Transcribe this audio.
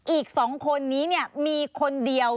อีก๒คนนี้มีคนเดียว